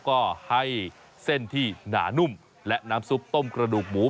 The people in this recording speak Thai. ก็ให้เส้นที่หนานุ่มและน้ำซุปต้มกระดูกหมู